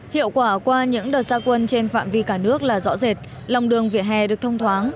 hiệu quả qua những đợt gia quân trên phạm vi cả nước là rõ rệt lòng đường vỉa hè được thông thoáng